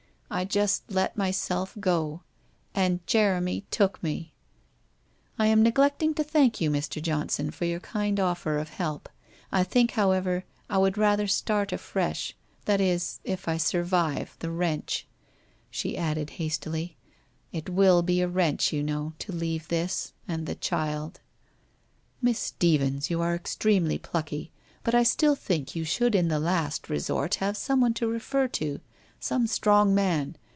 I just let myself go — and Jeremy took me! ... I am neglecting to thank you, Mr. Johnson, for your kind offer of help. I think, however, I would rather start afresh, that is, if I survive — the wrench/ She added hastily, ' It will be a wrench, you know, to leave this, and the child/ ' Miss Stephens, you are extremely plucky, but I still think you should in the last resort have someone to refer to — some strong man.